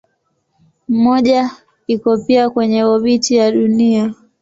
Mmoja iko pia kwenye obiti ya Dunia.